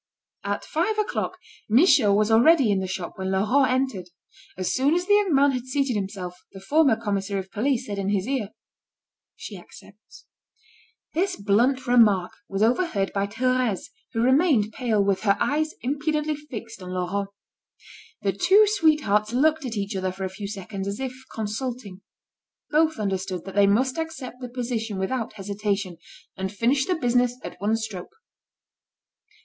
At five o'clock, Michaud was already in the shop when Laurent entered. As soon as the young man had seated himself, the former commissary of police said in his ear: "She accepts." This blunt remark was overheard by Thérèse who remained pale, with her eyes impudently fixed on Laurent. The two sweethearts looked at each other for a few seconds as if consulting. Both understood that they must accept the position without hesitation, and finish the business at one stroke.